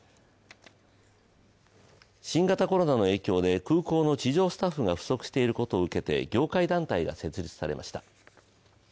新型コロナの影響で空港の地上スタッフが不足していることを受けて業界団体が設立されました。